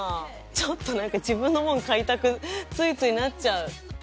ちょっと何か自分のもん買いたくついついなっちゃう。